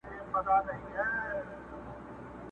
څه شڼهار د مرغلينو اوبو٫